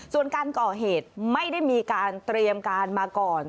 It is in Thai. ส่วนการก่อเหตุไม่ได้มีการเตรียมการมาก่อน